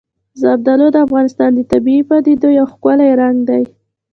زردالو د افغانستان د طبیعي پدیدو یو ښکلی رنګ دی.